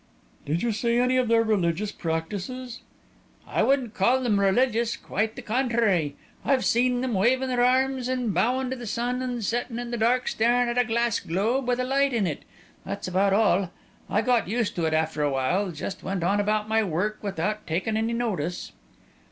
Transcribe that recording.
"Did you see any of their religious practices?" "I wouldn't call them religious quite the contrary. I've seen them wavin' their arms and bowin' to the sun and settin' in the dark starin' at a glass globe with a light in it; that's about all. I got used to it, after a while, and just went on about my work without takin' any notice."